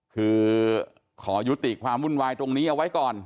คือขอยุติความวุ่นวายตรงนี้เอาไว้ก่อน